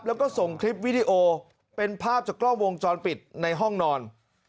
แล้วก็ส่งคลิปวิดีโอเป็นภาพจากกล้องวงจรปิดในห้องนอน